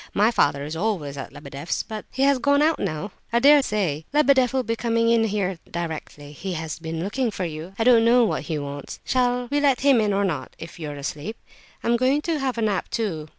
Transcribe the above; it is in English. My father is always at Lebedeff's; but he has gone out just now. I dare say Lebedeff will be coming in here directly; he has been looking for you; I don't know what he wants. Shall we let him in or not, if you are asleep? I'm going to have a nap, too.